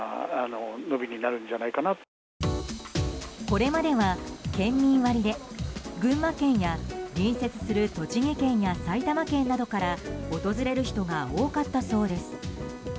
これまでは県民割で群馬県や隣接する栃木県や埼玉県などから訪れる人が多かったそうです。